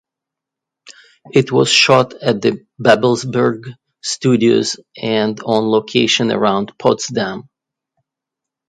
It was shot at the Babelsberg Studios and on location around Potsdam.